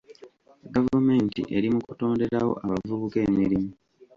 Gavumenti eri mu kutonderawo abavubuka emirimu.